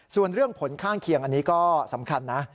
ส่วนเรื่องผลข้างเคียงอันนี้ก็สำคัญนะ